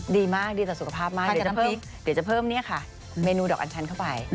ดีมากดีต่อสุขภาพมากเดี๋ยวจะเพิ่มเนี่ยค่ะเมนูดอกอัญชันเข้าไป